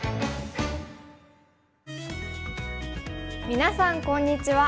みなさんこんにちは。